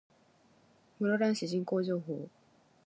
室蘭市人口情報